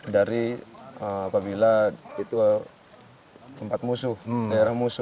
dari apabila itu tempat musuh daerah musuh